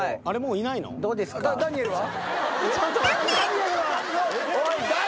あれもういないの？